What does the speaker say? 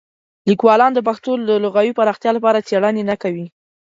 لیکوالان د پښتو د لغوي پراختیا لپاره څېړنې نه کوي.